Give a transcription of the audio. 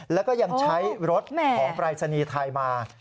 แล้วก็ยังใช้รถของปรายศนีย์ไทยมา